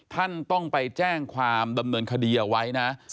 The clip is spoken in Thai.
ท่านต้องไปแจ้งความดำเนินคดีเอาไว้นะ